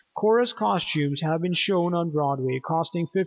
Chorus costumes have been shown on Broadway costing $50.